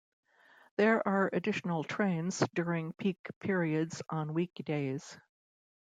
There are additional trains during peak periods on weekdays.